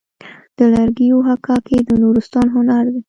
د لرګیو حکاکي د نورستان هنر دی.